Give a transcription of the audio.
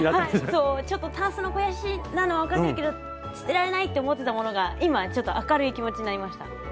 そうちょっとたんすの肥やしなのはわかってるけど捨てられないって思ってたものが今ちょっと明るい気持ちになりました。